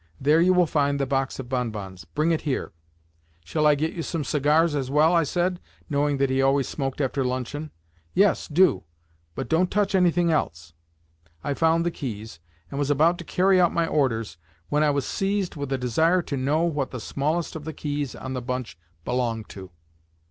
There you will find the box of bonbons. Bring it here." "Shall I get you some cigars as well?" said I, knowing that he always smoked after luncheon. "Yes, do; but don't touch anything else." I found the keys, and was about to carry out my orders, when I was seized with a desire to know what the smallest of the keys on the bunch belonged to.